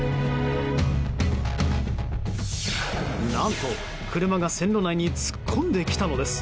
何と、車が線路内に突っ込んできたのです。